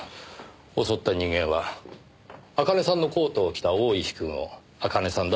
襲った人間は茜さんのコートを着た大石くんを茜さんだと思った人物。